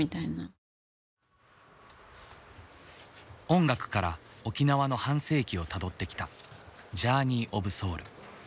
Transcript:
音楽から沖縄の半世紀をたどってきた「ジャーニー・オブ・ソウル」。